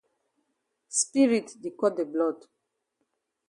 Spirit di cut de blood.